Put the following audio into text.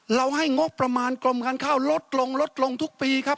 ให้งบประมาณกรมการข้าวลดลงลดลงทุกปีครับ